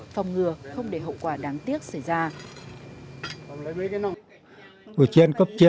phòng ngừa không để hậu quả đáng tiếc xảy ra